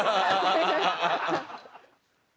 ハハハハ！